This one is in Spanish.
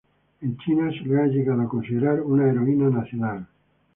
En China se la ha llegado a considerar una heroína nacional.